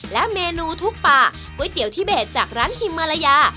และเมนูทุกป่าก๋วยเตี๋ยวทิเบสจากร้านฮิมมาลายา